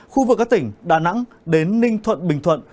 khu vực các tỉnh đà nẵng đến ninh thuận bình thuận